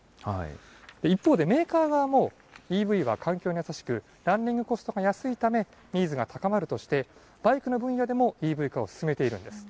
一方でメーカー側も、ＥＶは環境に優しく、ランニングコストが安いためニーズが高まるとして、バイクの分野でもＥＶ化を進めているんです。